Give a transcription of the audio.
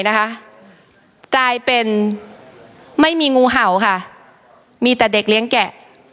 กลายเป็นไม่มีงูเห่าค่ะมีแต่เด็กเลี้ยงแกะ